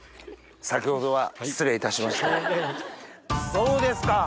どうですか？